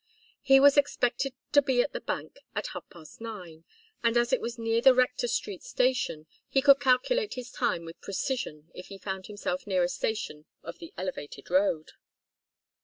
He was expected to be at the bank at half past nine, and, as it was near the Rector Street Station, he could calculate his time with precision if he found himself near a station of the elevated road.